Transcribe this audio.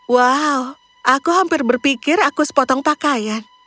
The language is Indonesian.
wow aku hampir berpikir aku sepotong pakaian